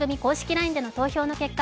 ＬＩＮＥでの投票の結果